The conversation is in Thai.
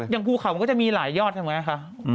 ภูเขามันก็จะมีหลายยอดใช่ไหมคะ